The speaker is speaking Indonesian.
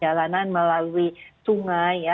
jalanan melalui sungai ya